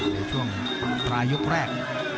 ในช่วงปลายยกแรก